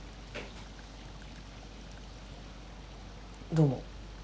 どうも。